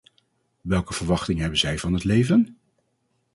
Welke verwachtingen hebben zij van het leven?